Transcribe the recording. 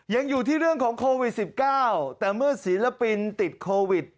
ยังอยู่ที่เรื่องของโควิด๑๙แต่เมื่อศิลปินติดโควิด